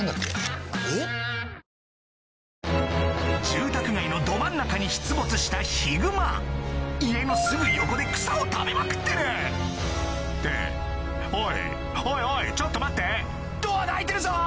・住宅街のど真ん中に出没したヒグマ家のすぐ横で草を食べまくってるっておいおいおいちょっと待ってドアが開いてるぞ！